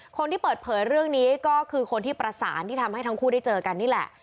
คนที่เปิดเผยเรื่องนี้ก็คือคนที่ประสานที่ทำให้ทั้งคู่ได้เจอกันนี่แหละ